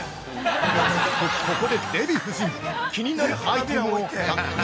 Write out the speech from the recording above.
◆と、ここでデヴィ夫人気になるアイテムを発見。